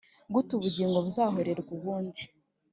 Gute ubugingo buzahorerwe ubundi